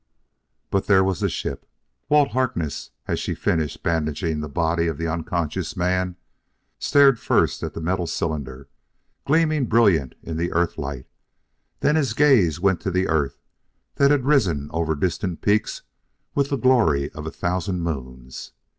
But there was the ship! Walt Harkness, as she finished bandaging the body of the unconscious man, stared first at the metal cylinder, gleaming, brilliant in the Earthlight; then his gaze went to the Earth that had risen over distant peaks with the glory of a thousand moons.